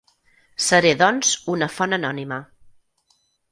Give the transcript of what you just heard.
Seré doncs, una font anònima.